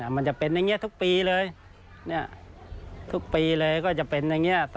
มันจะเป็นอย่างนี้ทุกปีเลย